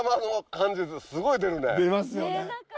出ますよね。